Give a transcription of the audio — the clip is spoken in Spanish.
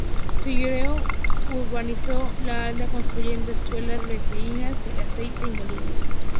Figueiredo urbanizó la aldea, construyendo escuelas, refinerías de aceite y molinos.